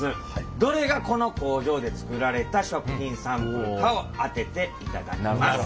どれがこの工場で作られた食品サンプルかを当てていただきます。